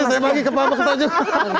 jadi saya bagi ke bapak ketonjol